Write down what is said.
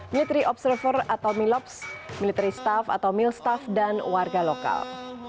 militeri observer atau milops militeri staff atau milstaf dan warga lokal